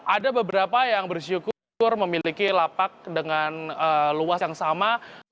ada beberapa yang bersyukur memiliki lapak dengan luas yang sama